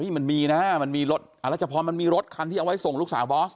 นี่มันมีนะมันมีรถอรัชพรมันมีรถคันที่เอาไว้ส่งลูกสาวบอส